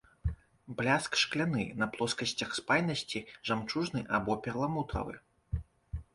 Бляск шкляны, на плоскасцях спайнасці жамчужны або перламутравы.